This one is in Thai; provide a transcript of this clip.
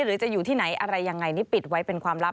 หรือจะอยู่ที่ไหนอะไรยังไงนี่ปิดไว้เป็นความลับ